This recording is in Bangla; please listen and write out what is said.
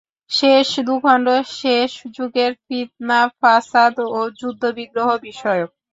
শেষ দুখণ্ড শেষ যুগের ফিতনা-ফাসাদ ও যুদ্ধবিগ্রহ বিষয়ক।